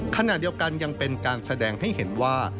ขณะเดียวกันยังเป็นการแสดงให้เห็นว่า